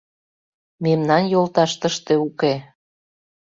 Мемнан йолташ тыште уке.